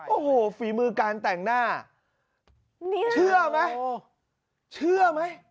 โอ้โหฝีมือการแต่งหน้าเชื่อไหมเชื่อไหม